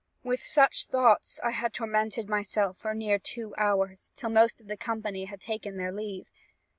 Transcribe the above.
"With such thoughts I had tormented myself for near two hours, till most of the company had taken their leave.